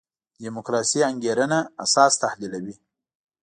دیموکراسي انګېرنه اساس تحلیلوي.